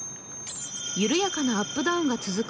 緩やかなアップダウンが続く